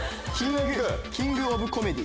キングオブコメディ。